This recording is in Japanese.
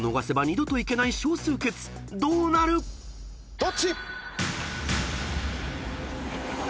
どっち⁉